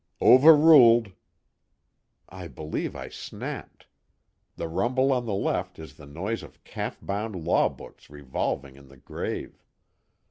"Overruled." _I believe I snapped; the rumble on the left is the noise of calf bound law books revolving in the grave.